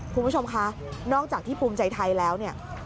คุณผู้ชมคะนอกจากที่ภูมิใจไทยแล้วเนี่ย